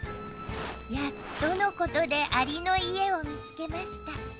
やっとのことでアリの家を見つけました。